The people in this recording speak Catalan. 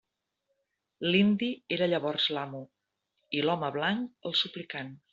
L'indi era llavors l'amo, i l'home blanc el suplicant.